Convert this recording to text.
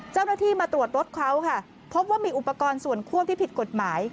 เจ้าหน้าที่มาตรวจรถเขาค่ะพบว่ามีอุปกรณ์ส่วนควบที่ผิดกฎหมาย